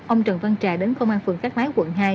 ông trần văn trà đến công an phường cát lái quận hai